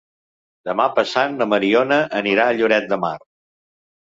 Demà passat na Mariona anirà a Lloret de Mar.